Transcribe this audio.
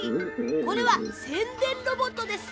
これはせんでんロボットです。